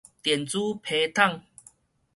電子批桶